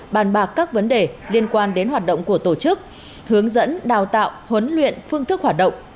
bàn bạc các vấn đề liên quan đến hoạt động của tổ chức hướng dẫn đào tạo huấn luyện phương thức hoạt động